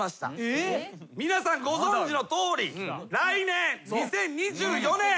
皆さんご存じのとおり来年２０２４年。